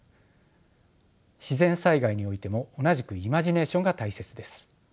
自然災害においても同じくイマジネーションが大切です。